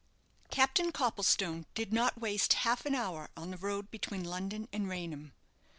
Captain Copplestone did not waste half an hour on the road between London and Raynham.